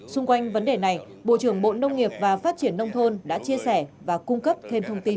xung quanh vấn đề này bộ trưởng bộ nông nghiệp và phát triển nông thôn đã chia sẻ và cung cấp thêm thông tin